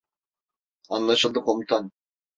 Anlaşıldı komutanım.